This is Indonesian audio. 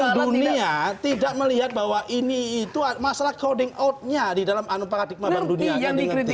bank dunia tidak melihat bahwa ini itu masalah crowding outnya di dalam anum paradigma bank dunia